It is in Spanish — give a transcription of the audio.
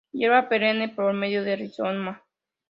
Hierba perenne por medio de rizoma.